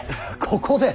ここで？